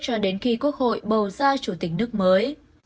cho đến khi quốc hội bầu ra chủ tịch nước mới